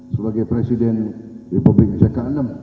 sebagai presiden republik jk enam